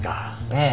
ええ。